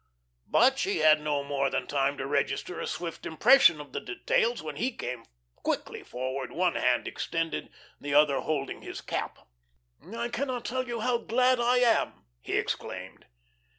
But she had no more than time to register a swift impression of the details, when he came quickly forward, one hand extended, the other holding his cap. "I cannot tell you how glad I am," he exclaimed.